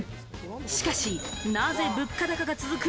しかし、なぜ物価高が続く